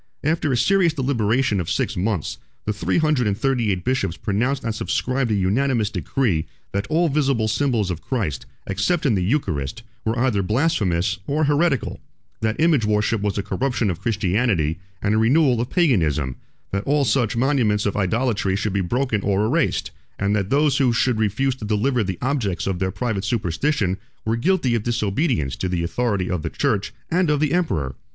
After a serious deliberation of six months, the three hundred and thirty eight bishops pronounced and subscribed a unanimous decree, that all visible symbols of Christ, except in the Eucharist, were either blasphemous or heretical; that image worship was a corruption of Christianity and a renewal of Paganism; that all such monuments of idolatry should be broken or erased; and that those who should refuse to deliver the objects of their private superstition, were guilty of disobedience to the authority of the church and of the emperor.